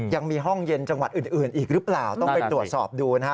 ยังมีห้องเย็นจังหวัดอื่นอีกหรือเปล่าต้องไปตรวจสอบดูนะฮะ